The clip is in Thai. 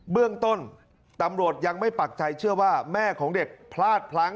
เบื้องต้นตำรวจยังไม่ปักใจเชื่อว่าแม่ของเด็กพลาดพลั้ง